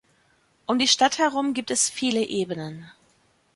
Um die Stadt herum gibt es viele Ebenen.